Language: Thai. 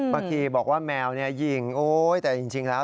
เมื่อกี้บอกว่าแมวนี่หญิงโอ๊ยแต่จริงแล้ว